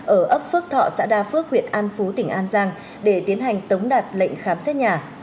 ở ấp phước thọ xã đa phước huyện an phú tỉnh an giang để tiến hành tống đạt lệnh khám xét nhà